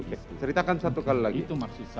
oke ceritakan satu kali lagi